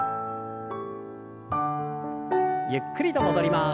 ゆっくりと戻ります。